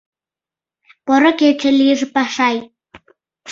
Поро кече лийже, Пашай!